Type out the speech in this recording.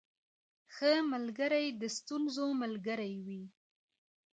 • ښه ملګری د ستونزو ملګری وي.